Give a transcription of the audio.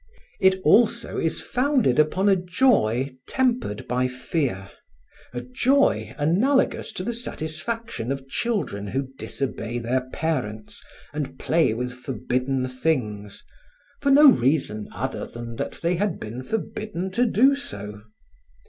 It also is founded upon a joy tempered by fear, a joy analogous to the satisfaction of children who disobey their parents and play with forbidden things, for no reason other than that they had been forbidden to do so.